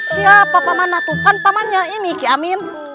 siapa pamannya atuk kan pamannya ini keamin